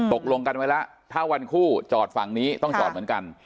ตกลงกันไว้แล้วถ้าวันคู่จอดฝั่งนี้ต้องจอดเหมือนกัน